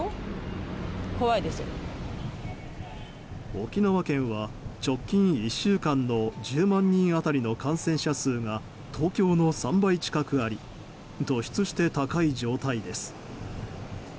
沖縄県は直近１週間の１０万人当たりの感染者数が東京の３倍近くあり突出して高い状態です。